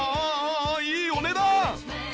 いいお値段！